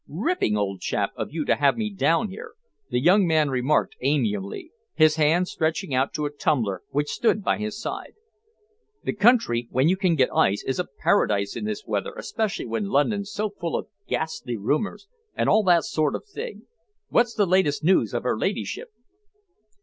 "Ripping, old chap, of you to have me down here," the young man remarked amiably, his hand stretching out to a tumbler which stood by his side. "The country, when you can get ice, is a paradise in this weather, especially when London's so full of ghastly rumours and all that sort of thing. What's the latest news of her ladyship?"